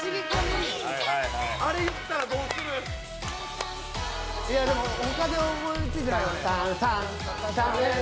あれ言ったらどうするいやでも他で思いついてない俺ええ